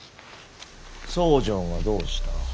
僧正がどうした。